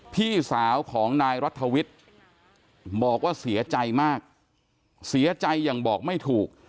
พี่สาวของนายรัฐวิทย์บอกว่าเสียใจมากเสียใจอย่างบอกไม่ถูก